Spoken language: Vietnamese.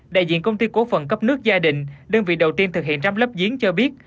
đại diện công ty của phần cấp nước gia đình đơn vị đầu tiên thực hiện trám lấp diến cho biết